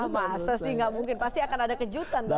masa sih tidak mungkin pasti akan ada kejutan